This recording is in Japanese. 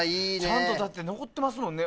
ちゃんと残ってますもんね。